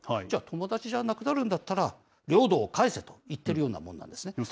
じゃあ、友達じゃなくなるんだったら、領土を返せと言っているようなもんなんですね。